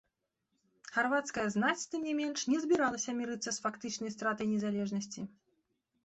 Харвацкая знаць, тым не менш, не збіралася мірыцца з фактычнай стратай незалежнасці.